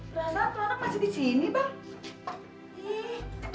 rasanya orang masih di sini bang